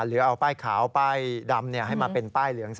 หรือเอาป้ายขาวป้ายดำให้มาเป็นป้ายเหลือง